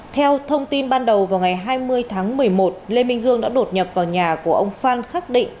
theo thông tin ban đầu vào ngày hai mươi tháng một mươi một lê minh dương đã đột nhập vào nhà của ông phan khắc định